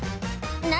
何？